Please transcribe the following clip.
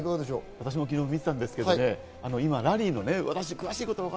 私も昨日見てたんですけど、ラリーね。